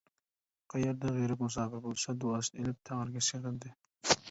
قەيەردە غېرىب-مۇساپىر بولسا، دۇئاسىنى ئېلىپ تەڭرىگە سېغىندى.